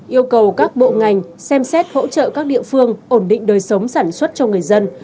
yêu cầu các bộ ngành xem xét hỗ trợ các địa phương ổn định đời sống sản xuất cho người dân